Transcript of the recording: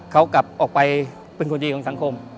เขากลับออกไปเป็นคนดีของสังคม